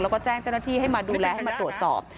แล้วก็แจ้งเจ้าหน้าที่ให้มาดูแลให้มาตรวจสอบ